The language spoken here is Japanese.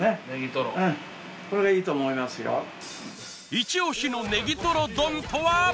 イチ押しのネギトロ丼とは！？